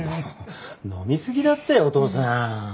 飲みすぎだってお父さん！